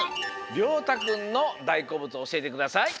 りょうたくんのだいこうぶつおしえてください。